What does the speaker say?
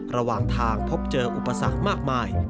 ระหว่างทางพบเจออุปสรรคมากมาย